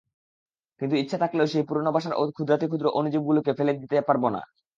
কিন্তু ইচ্ছা থাকলেও সেই পুরোনো বাসার ক্ষুদ্রাতিক্ষুদ্র অণুজীবগুলোকে ফেলে যেতে পারবেন না।